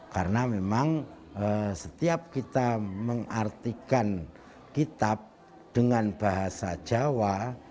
karena memang setiap kita mengartikan kitab dengan bahasa jawa